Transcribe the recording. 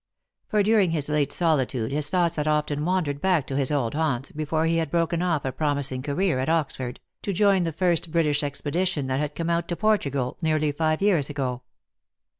For during his late solitude his thoughts had often wandered back to his old haunts, before he had broken off a promising career at Oxford, to join the first British expedition that had come out to Portugal nearly five years ago.